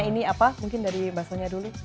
ini apa mungkin dari baksonya dulu